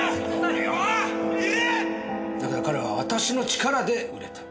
だが彼は私の力で売れた。